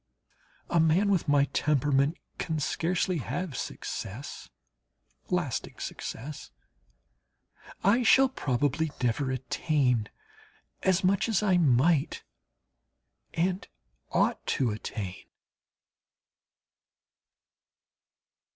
A man with my temperament can scarcely have success, lasting success. I shall probably never attain as much as I might and ought to attain.